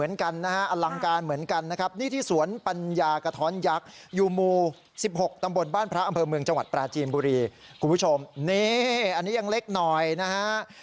เนี่ยอันนี้ยังเล็กหน่อยนะฮะ